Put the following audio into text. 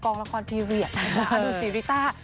กองละครพีเวียดดูศรีริต้า